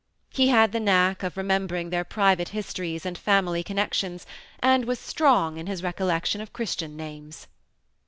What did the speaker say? He had the knack of remembering their private histories and family connections, and was strong in his recollection of Christian names.